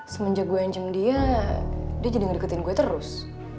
semenjak gue anceng dia dia jadi ngedeketin gue terus